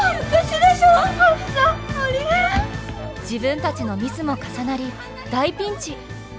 自分たちのミスも重なり大ピンチ！